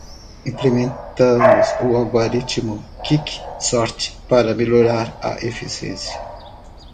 Implementamos o algoritmo Quick Sort para melhorar a eficiência.